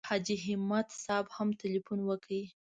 حاجي همت صاحب هم تیلفون وکړ.